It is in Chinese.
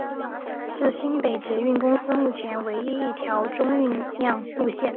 是新北捷运公司目前唯一一条中运量路线。